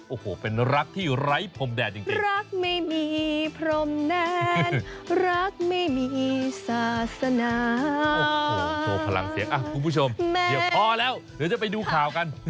โอ้โหโชว์พลังเสียงอ่ะคุณผู้ชมเดี๋ยวพอแล้วเดี๋ยวจะไปดูข่าวกัน